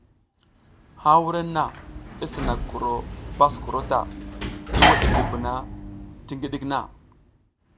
Ha wurenna i sina kukuro baskuro ta, i wuɗ i dubuna ti ngiɗik na.